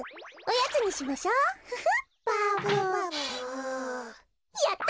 やった！